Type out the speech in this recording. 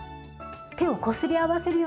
手をこすり合わせるようにして。